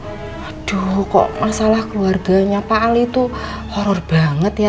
aduh kok masalah keluarganya pak ali itu horror banget ya